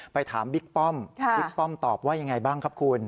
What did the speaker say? ถามบิ๊กป้อมบิ๊กป้อมตอบว่ายังไงบ้างครับคุณ